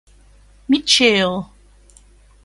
มิทเชล